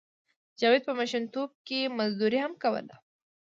جاوید په ماشومتوب کې مزدوري هم کوله